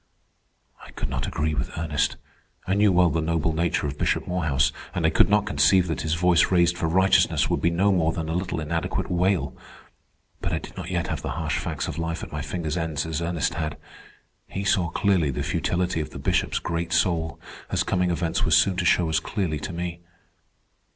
I could not agree with Ernest. I knew well the noble nature of Bishop Morehouse, and I could not conceive that his voice raised for righteousness would be no more than a little inadequate wail. But I did not yet have the harsh facts of life at my fingers' ends as Ernest had. He saw clearly the futility of the Bishop's great soul, as coming events were soon to show as clearly to me.